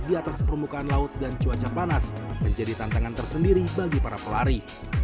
di atas permukaan laut dan cuaca panas menjadi tantangan tersendiri bagi para pelari